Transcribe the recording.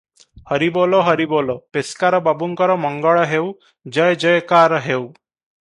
"ହରିବୋଲ - ହରିବୋଲ ପେସ୍କାର ବାବୁଙ୍କର ମଙ୍ଗଳ ହେଉ, ଜୟ ଜୟକାର ହେଉ ।"